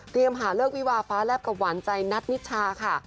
เตรียมหาเลิกวิวาเฟ้ารับกับหวานใจนัฏนิทชาค่ะ